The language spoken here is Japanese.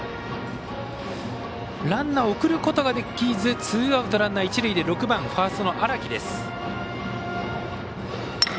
ランナーを送ることができずツーアウト、ランナー、一塁で６番ファーストの荒木。